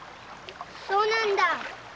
そうなんだ。